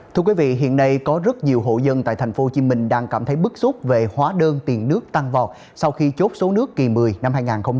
thưa quý vị hiện nay có rất nhiều hộ dân tại tp hcm đang cảm thấy bức xúc về hóa đơn tiền nước tăng vọt sau khi chốt số nước kỳ một mươi năm hai nghìn hai mươi